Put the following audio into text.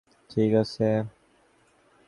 ঠিক আছে, আমাকে দ্রুত আরও কিছু কেচাপ এনে দাও।